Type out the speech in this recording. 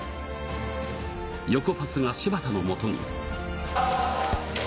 横パスが柴田のもとに。